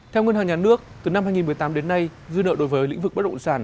theo ngân hàng nhà nước từ năm hai nghìn một mươi tám đến nay dư nợ đối với lĩnh vực bất động sản